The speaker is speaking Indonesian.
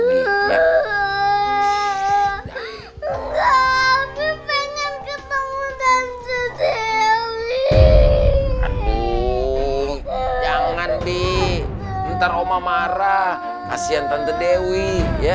tapi pengen ketemu tante dewi aduh jangan di ntar oma marah kasihan tante dewi ya